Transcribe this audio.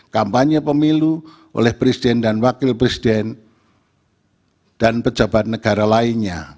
kampanye pemilu oleh presiden dan wakil presiden dan pejabat negara lainnya